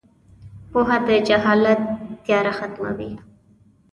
• پوهه د جهالت تیاره ختموي.